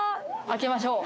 開けましょう